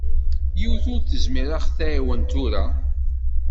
Yiwet ur tezmir ad ɣ-twaɛen tura.